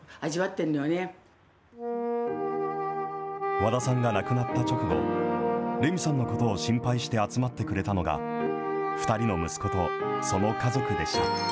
和田さんが亡くなった直後、レミさんのことを心配して集まってくれたのが、２人の息子とその家族でした。